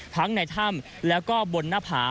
ทั้งในถ้ำแล้วก็บนหน้าผา